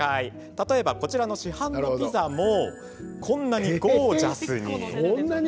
例えば、こちらの市販のピザもこんなにゴージャスに。